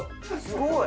すごい！